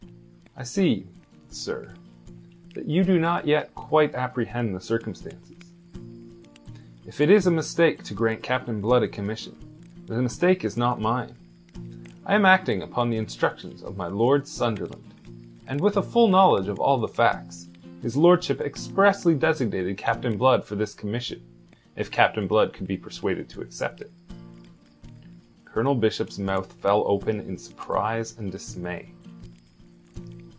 "I see, sir, that you do not yet quite apprehend the circumstances. If it is a mistake to grant Captain Blood a commission, the mistake is not mine. I am acting upon the instructions of my Lord Sunderland; and with a full knowledge of all the facts, his lordship expressly designated Captain Blood for this commission if Captain Blood could be persuaded to accept it." Colonel Bishop's mouth fell open in surprise and dismay.